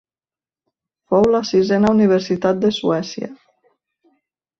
Fou la sisena universitat de Suècia.